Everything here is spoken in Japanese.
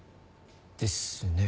ですね。